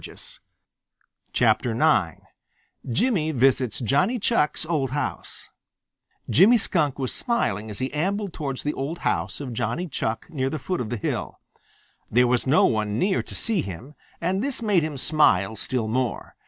IX JIMMY VISITS JOHNNY CHUCK'S OLD HOUSE Jimmy Skunk was smiling as he ambled towards the old house of Johnny Chuck near the foot of the hill. There was no one near to see him, and this made him smile still more.